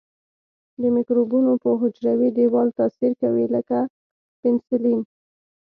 د مکروبونو په حجروي دیوال تاثیر کوي لکه پنسلین.